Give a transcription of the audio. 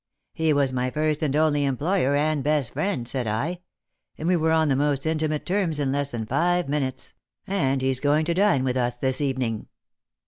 ' He was my first and only employer, and best friend,' said I ; and we were on the most intimate terms in less than five minutes ; and he's going to dine with us this evening."